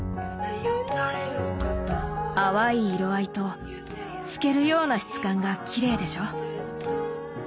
淡い色合いと透けるような質感がきれいでしょ？